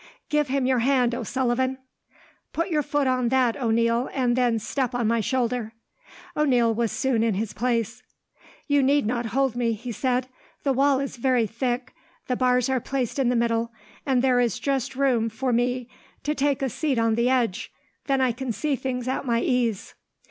"Give him your hand, O'Sullivan. "Put your foot on that, O'Neil, and then step on my shoulder." O'Neil was soon in his place. "You need not hold me," he said. "The wall is very thick, the bars are placed in the middle, and there is just room for me to take a seat on the edge, then I can see things at my ease."